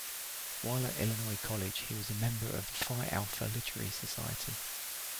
While at Illinois college he was a member of the Phi Alpha Literary Society.